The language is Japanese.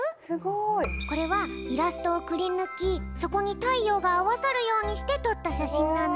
これはイラストをくりぬきそこにたいようがあわさるようにしてとったしゃしんなんだ。